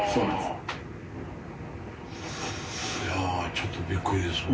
ちょっとびっくりですわ。